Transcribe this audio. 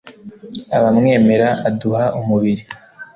abamwemera; aduha umubiri